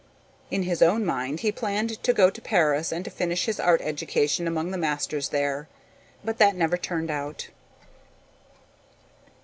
In his own mind he planned to go to Paris and to finish his art education among the masters there, but that never turned out.